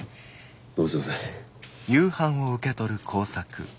どうもすいません。